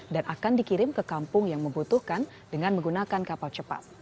dan akan dikirim ke kampung yang membutuhkan dengan menggunakan kapal cepat